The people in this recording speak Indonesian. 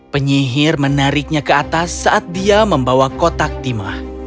penyihir menariknya ke atas saat dia membawa kotak timah